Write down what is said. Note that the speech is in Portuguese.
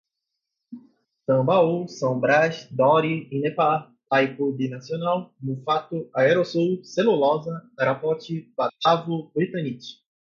Tambaú, São Braz, Dore, Inepar, Itaipu Binacional, Muffato, Aerosul, Celulosa, Arapoti, Batavo, Britanite